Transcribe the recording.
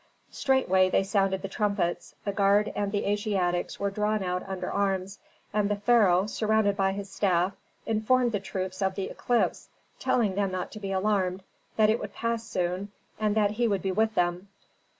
Straightway they sounded the trumpets; the guard and the Asiatics were drawn out under arms, and the pharaoh, surrounded by his staff, informed the troops of the eclipse, telling them not to be alarmed, that it would pass soon, and that he would be with them.